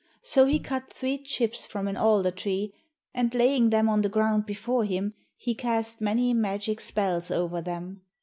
So he cut three chips from an alder tree, and laying them on the ground before him, he cast many magic spells over them.